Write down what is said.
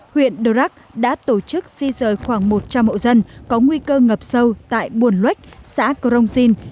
huyện đô rắc đã tổ chức si rời khoảng một trăm linh hộ dân có nguy cơ ngập sâu tại buồn luách xã cơ rông dinh